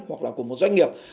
hoặc là của một doanh nghiệp